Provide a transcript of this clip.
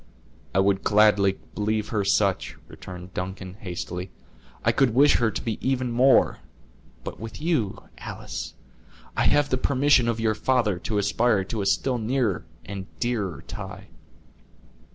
"I would gladly believe her such," returned Duncan, hastily; "I could wish her to be even more; but with you, Alice, I have the permission of your father to aspire to a still nearer and dearer tie."